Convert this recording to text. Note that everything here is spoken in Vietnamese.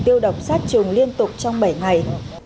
tiêu độc sát trùng liên tục trong bảy ngày